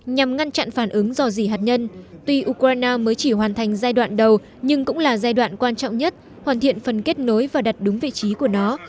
nhằm ngăn chặn phản ứng dò dỉ hạt nhân tuy ukraine mới chỉ hoàn thành giai đoạn đầu nhưng cũng là giai đoạn quan trọng nhất hoàn thiện phần kết nối và đặt đúng vị trí của nó